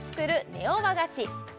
ネオ和菓子